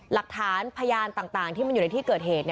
หลักฐานพยานต่างที่มันอยู่ในที่เกิดเหตุ